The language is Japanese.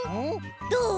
どう？